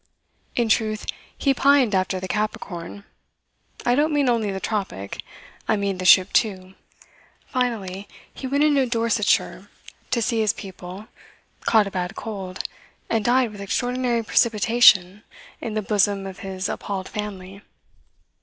In truth, he pined after the Capricorn I don't mean only the tropic; I mean the ship too. Finally he went into Dorsetshire to see his people, caught a bad cold, and died with extraordinary precipitation in the bosom of his appalled family.